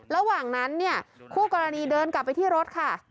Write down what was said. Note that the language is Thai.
ระหว่างนั้นเนี่ยคู่กรณีเดินกลับไปที่รถค่ะ